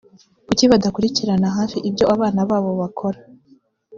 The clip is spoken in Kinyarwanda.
kuki badakurikiranira hafi ibyo abana babo bakora ‽